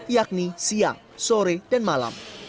yakni siang sore dan malam